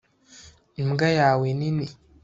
imbwa yawe nini